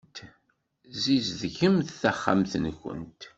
Ssizdgemt taxxamt-nkent.